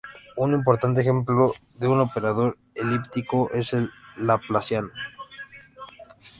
Un importante ejemplo de un operador elíptico es el Laplaciano.